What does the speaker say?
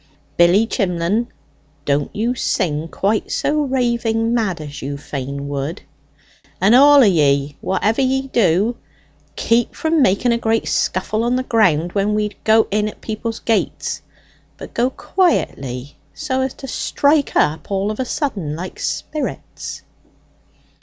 Billy Chimlen, don't you sing quite so raving mad as you fain would; and, all o' ye, whatever ye do, keep from making a great scuffle on the ground when we go in at people's gates; but go quietly, so as to strike up all of a sudden, like spirits."